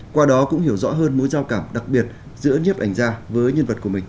qua đó cũng hiểu rõ hơn mối giao cảm đặc biệt giữa nhấp ảnh gia với nhân vật của mình